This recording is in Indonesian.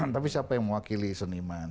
tapi siapa yang mewakili seniman